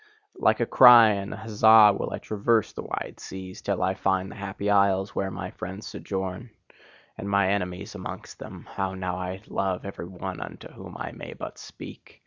Like a cry and an huzza will I traverse wide seas, till I find the Happy Isles where my friends sojourn; And mine enemies amongst them! How I now love every one unto whom I may but speak!